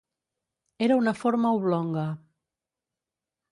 Era una forma oblonga.